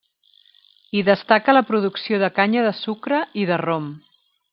Hi destaca la producció de canya de sucre i de rom.